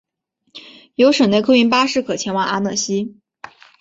有省内客运巴士可前往阿讷西。